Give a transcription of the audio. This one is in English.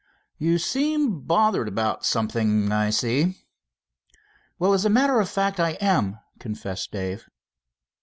"You seem bothered about something, I see." "Well, as a matter of fact, I am," confessed Dave.